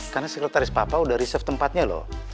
karena sekretaris papa udah reserve tempatnya loh